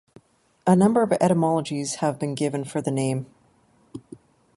A number of etymologies have been given for the name.